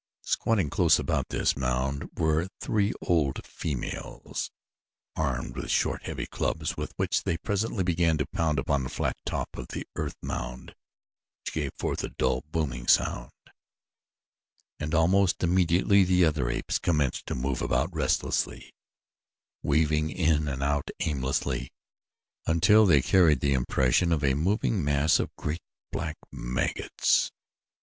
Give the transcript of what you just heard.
Squatting close about this mound were three old females armed with short, heavy clubs with which they presently began to pound upon the flat top of the earth mound which gave forth a dull, booming sound, and almost immediately the other apes commenced to move about restlessly, weaving in and out aimlessly until they carried the impression of a moving mass of great, black maggots.